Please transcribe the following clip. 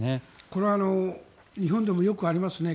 これは日本でもよくありますね。